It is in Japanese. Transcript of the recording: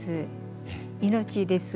命です。